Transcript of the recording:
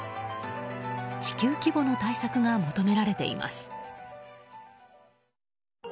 地球規模の対策が求められています。